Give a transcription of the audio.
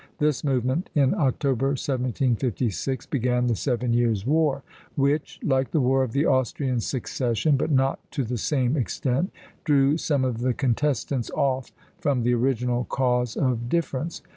This movement, in October, 1756, began the Seven Years' War; which, like the War of the Austrian Succession, but not to the same extent, drew some of the contestants off from the original cause of difference.